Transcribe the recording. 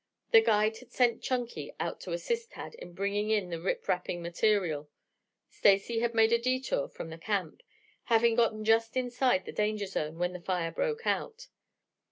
The guide had sent Chunky out to assist Tad in bringing in the rip rapping material. Stacy had made a detour from the camp, having gotten just inside the danger zone when the fire broke out.